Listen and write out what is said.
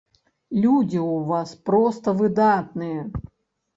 Людзі ў вас проста выдатныя!